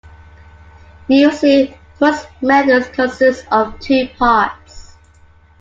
Usually those methods consist of two parts.